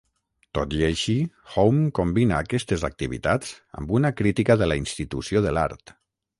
Tot i així, Home combina aquestes activitats amb una crítica de la institució de l'art.